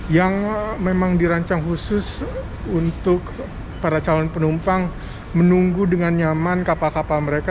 yang memang dirancang khusus untuk para calon penumpang menunggu dengan nyaman kapal kapal mereka